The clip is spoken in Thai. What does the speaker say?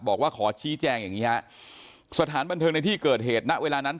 บอกว่าขอชี้แจงอย่างนี้ฮะสถานบันเทิงในที่เกิดเหตุณเวลานั้น